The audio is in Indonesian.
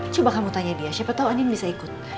coba kamu tanya dia siapa tahu andien bisa ikut